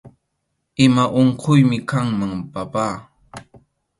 Ima unquymi kanman, papá